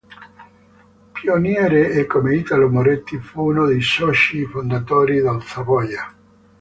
Pioniere come Italo Moretti, fu uno dei soci fondatori del Savoia.